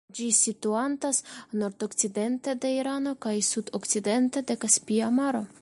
Ĝi situantas nordokcidente de Irano kaj sudokcidente de Kaspia Maro.